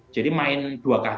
jadi main dua kali